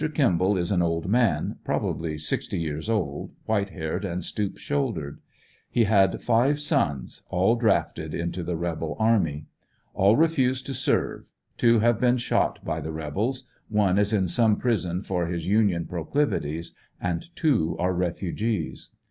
Kimball is an old man, probably sixty years old, white haired and stoop vshouldered. He had five sons, all drafted into the rebel army. All refused to serve. Two have been shot by the rebels, one is in some prison for his Union proclivities, and two are refugees.